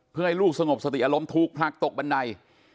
เพื่อให้ลูกสงบสติอารมณ์ถูกผลักตกบันได